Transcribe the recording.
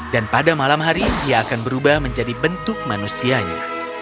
pada malam hari dia akan berubah menjadi bentuk manusianya